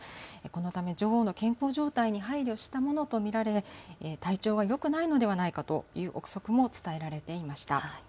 このため女王の健康状態に配慮したものとみられ、体調がよくないのではないかという臆測も伝えられていました。